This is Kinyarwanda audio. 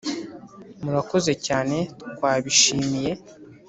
murakoze cyane twabishimiye